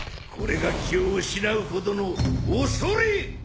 これが気を失うほどの恐れ！